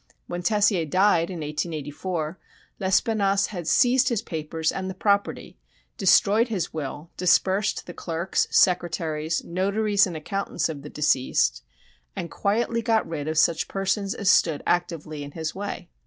When Tessier died, in 1884, Lespinasse had seized his papers and the property, destroyed his will, dispersed the clerks, secretaries, "notaries" and accountants of the deceased, and quietly got rid of such persons as stood actively in his way.